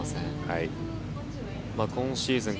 今シーズン